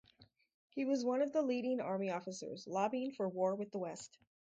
He was one of the leading Army officers lobbying for war with the West.